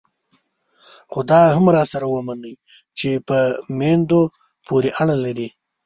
خو دا هم راسره ومنئ چې په میندو پورې اړه لري.